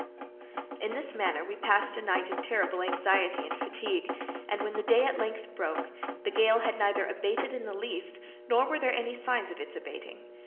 In this manner we passed a night of terrible anxiety and fatigue, and, when the day at length broke, the gale had neither abated in the least, nor were there any signs of its abating.